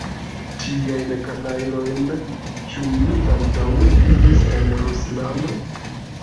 Tiajn kanajlojn ĉu ni antaŭe vidis en Ruslando?